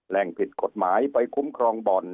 ผิดกฎหมายไปคุ้มครองบ่อน